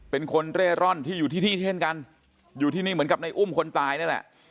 เป็นคนเร่ร่อนที่อยู่ที่นี่เช่นกันอยู่ที่นี่เหมือนกับในอุ้มคนตายนั่นแหละ